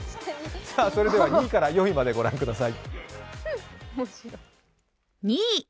それでは２位から５位までをご覧ください。